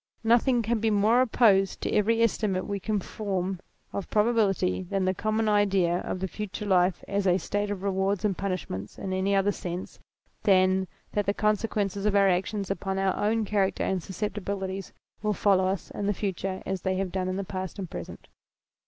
Nothing can be more opposed to every estimate we can form of probability, than the common idea of the future life as a state of rewards and punishments in any other sense than that the consequences of our actions upon our own IMMORTALITY 211 Character and susceptibilities will follow us in the future as they have done in the past and present.